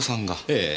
ええ。